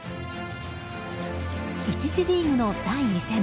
１次リーグの第２戦。